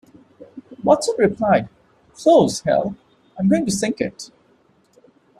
Watson replied, "Close, hell, I'm going to sink it.